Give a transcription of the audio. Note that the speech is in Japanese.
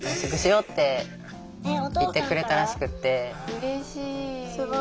うれしい。